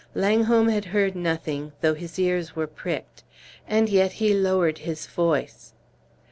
Langholm had heard nothing, though his ears were pricked. And yet he lowered his voice.